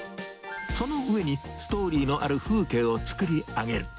その上にストーリーのある風景を作り上げる。